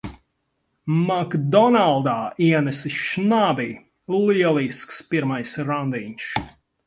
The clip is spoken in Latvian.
"Makdonaldā" ienesis šnabi! Lielisks pirmais randiņš.